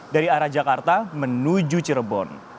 dari arah jakarta menuju cirebon